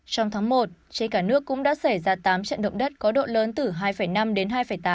trong tháng một trên cả nước cũng đã xảy ra tám trận động đất có độ lớn từ hai năm đến hai tám